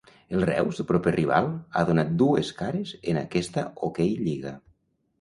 El Reus, el proper rival, ha donat dues cares en aquesta OkLliga.